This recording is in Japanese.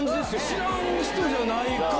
知らん人じゃない。